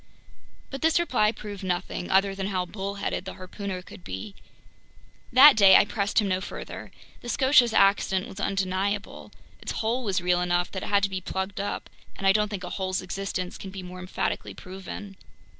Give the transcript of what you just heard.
But this reply proved nothing, other than how bullheaded the harpooner could be. That day I pressed him no further. The Scotia's accident was undeniable. Its hole was real enough that it had to be plugged up, and I don't think a hole's existence can be more emphatically proven.